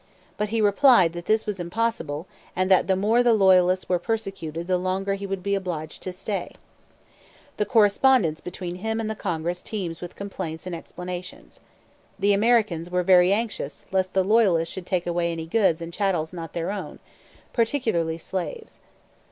But he replied that this was impossible and that the more the Loyalists were persecuted the longer he would be obliged to stay. The correspondence between him and the Congress teems with complaints and explanations. The Americans were very anxious lest the Loyalists should take away any goods and chattels not their own, particularly slaves.